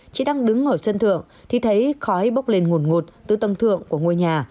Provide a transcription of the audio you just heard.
chị đang đứng ở sân thượng thì thấy khói bốc lên ngụt ngụt từ tầng thượng của ngôi nhà